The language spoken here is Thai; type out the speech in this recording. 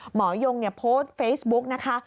หมอยงโพสต์เฟซบุ๊กนะคะ